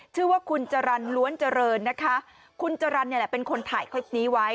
ชื่อว่าคุณจรรย์ล้วนเจริญนะคะคุณจรรย์เนี่ยแหละเป็นคนถ่ายคลิปนี้ไว้